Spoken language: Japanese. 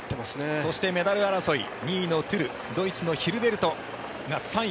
そしてメダル争い２位のトゥルドイツのヒルベルトが３位。